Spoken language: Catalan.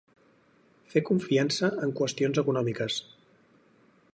Fer confiança en qüestions econòmiques.